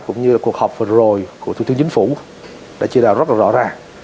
cũng như là cuộc họp vừa rồi của thủ tướng chính phủ đã chỉ đạo rất là rõ ra